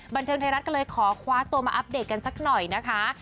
บันเทิงไทยรัฐก็เลยขอคว้าตัวมาอัปเดตกันสักหน่อยนะคะ